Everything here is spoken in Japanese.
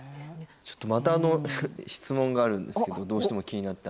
ちょっとまた質問があるんですけどどうしても気になって。